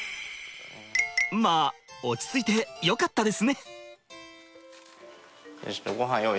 まあ落ち着いてよかったですね！